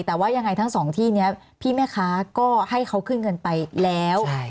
แต่ว่ายังไงทั้งสองที่นี้พี่แม่ค้าก็ให้เขาขึ้นเงินไปแล้ว